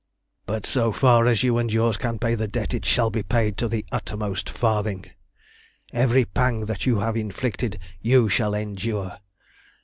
"But so far as you and yours can pay the debt it shall be paid to the uttermost farthing. Every pang that you have inflicted you shall endure.